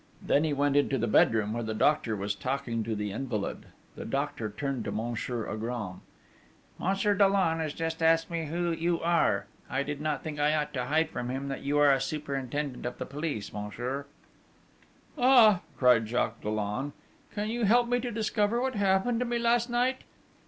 Then he went into the bedroom, where the doctor was talking to the invalid. The doctor turned to Monsieur Agram: 'Monsieur Dollon has just asked me who you are: I did not think I ought to hide from him that you are a superintendent of police, monsieur.' 'Ah!' cried Jacques Dollon. 'Can you help me to discover what happened to me last night?'